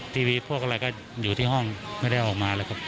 ทีวีพวกอะไรก็อยู่ที่ห้องไม่ได้ออกมาเลยครับ